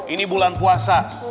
ini bulan puasa